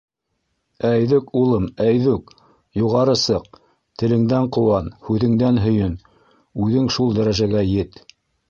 — Әйҙүк, улым, әйҙүк, юғары сыҡ, телеңдән ҡыуан, һүҙеңдән һөйөн, үҙең шул дәрәжәгә ет!